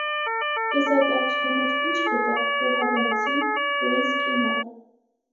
Ես այդ աղջկա մեջ ի՞նչ գտա, որ հավանեցի, որ ինձ կին առա…